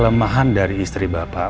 kelemahan dari istri bapak